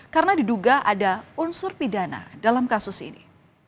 karena diduga ada unsur pidana dalam kasus ini